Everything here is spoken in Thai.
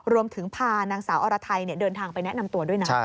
รวมถึงพานางสาวอรไทยเดินทางไปแนะนำตัวด้วยนะ